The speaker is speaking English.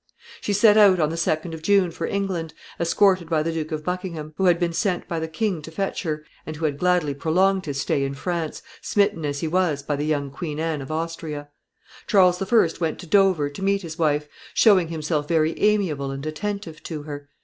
She set out on the 2d of June for England, escorted by the Duke of Buckingham, who had been sent by the king to fetch her, and who had gladly prolonged his stay in France, smitten as he was by the young Queen Anne of Austria. Charles I. went to Dover to meet his wife, showing himself very amiable and attentive to her.